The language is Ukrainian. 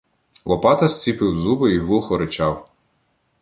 Лопата зціпив зуби і глухо ричав.